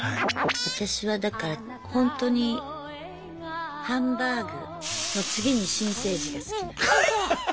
私はだからほんとにハンバーグの次に新生児が好きなの。